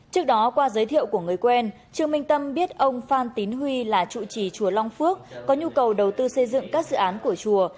trước đó qua giới thiệu của người quen trương minh tâm biết ông phan tín huy là chủ trì chùa long phước có nhu cầu đầu tư xây dựng các dự án của chùa